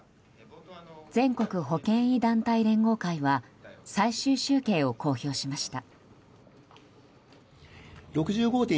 全国保険医団体連合会は最終集計を公表しました。